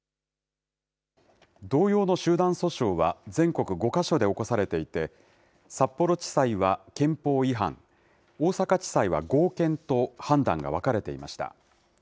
同様の集団訴訟は全国５か所で起こされていて、札幌地裁は憲法違反、大阪地裁は合憲と判断が分かれていました。